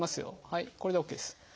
はいこれでＯＫです。